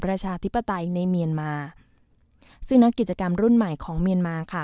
ประชาธิปไตยในเมียนมาซึ่งนักกิจกรรมรุ่นใหม่ของเมียนมาค่ะ